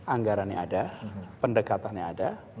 anggarannya ada pendekatannya ada